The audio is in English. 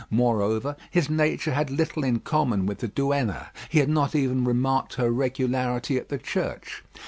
Moreover, his nature had little in common with the Duenna. He had not even remarked her regularity at the church.